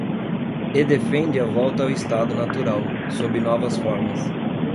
e defende a volta ao estado natural, sob novas formas